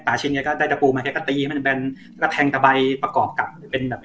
ปาชินเนี้ยก็ได้ตะปูมาให้ก็ตีให้มันแบนแล้วก็แทงตะใบประกอบกับเป็นแบบ